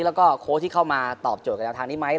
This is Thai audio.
แล้วก็โค้ชที่เข้ามาตอบโจทย์กับแนวทางนี้ไหม